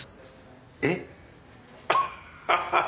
えっ？